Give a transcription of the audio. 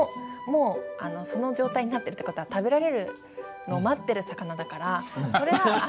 もうその状態になってるって事は食べられるのを待ってる魚だからそれはもう。